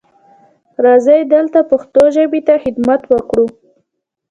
راځئ دلته پښتو ژبې ته خدمت وکړو.